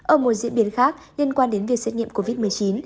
ở một diễn biến khác liên quan đến việc xét nghiệm covid một mươi chín